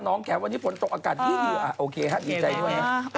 น้องแขวนที่พนตกอากาศโอเคครับดีใจด้วยนะ